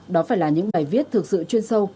đó phải là những bài viết thực sự chuyên sâu